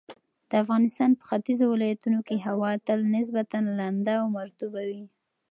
د افغانستان په ختیځو ولایتونو کې هوا تل نسبتاً لنده او مرطوبه وي.